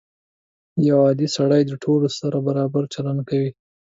• یو عادل سړی د ټولو سره برابر چلند کوي.